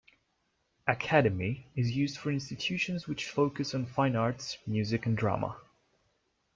"Academy" is used for institutions which focus on fine arts, music and drama.